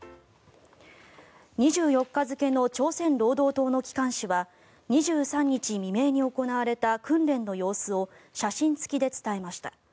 ２４日の朝鮮労働党の機関紙は２３日未明に行われた訓練の様子を写真付きで伝えました。